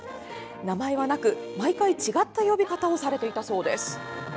名前はなく、毎回違った呼び方をされていたそうです。